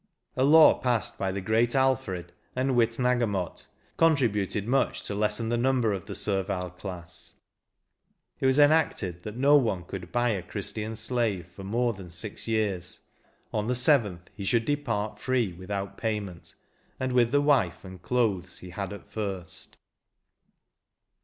A law passed by the great Alfred, and Witena gemot, contributed much to lessen the number of the servile class ; it was enacted that no one could buy a Christian slave for more than six years, — on the seventh he should depart free, without payment, and with the wife and clothes he had at first.